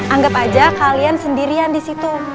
anggap aja kalian sendirian di situ